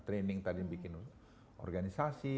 training tadi bikin organisasi